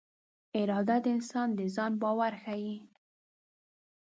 اراده د انسان د ځان باور ښيي.